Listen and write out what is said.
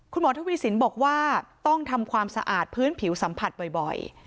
คุณหมอทวีสินบอกว่าต้องทำความสะอาดพื้นผิวสัมผัสบ่อย